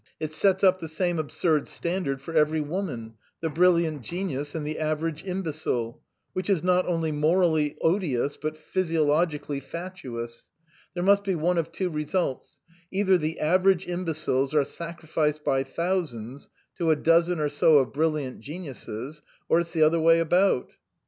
It sets up the same absurd standard for every woman, the brilliant genius and the average imbecile. Which is not only morally odious but physiologically fatuous. There must be one of two results either the average imbeciles are sacrificed by thousands to a dozen or so of brilliant geniuses, or it's the other way about."